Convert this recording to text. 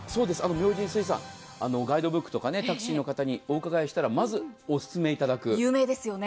明神水産、ガイドブックとかタクシーの方にお伺いしたら有名ですよね。